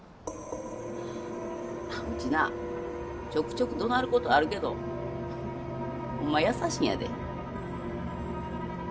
うちなちょくちょくどなる事あるけどホンマ優しいんやで。